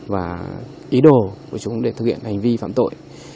và ý đồ của chúng để thực hiện hành vi phạm tội